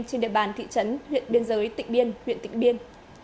trên địa bàn thị trấn huyện biên giới tỉnh biên huyện tịnh biên